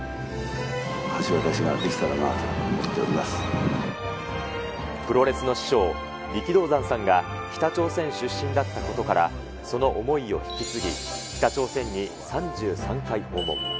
橋渡しができたらなと思ってプロレスの師匠、力道山さんが北朝鮮出身だったことから、その思いを引き継ぎ、北朝鮮に３３回訪問。